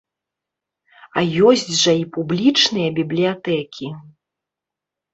А ёсць жа і публічныя бібліятэкі.